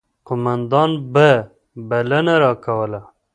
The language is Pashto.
قوماندان به بلنه راکوله.